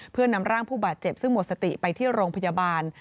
เพื่อนำร่างผู้บาดเจ็บซึ่งหมดสติไปที่โรงพยาบาล